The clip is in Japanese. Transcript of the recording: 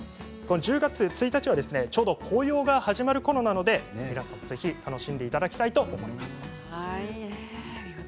１０月１日はちょうど紅葉が始まるころなので皆さんもぜひ楽しんでいただきたいと思います。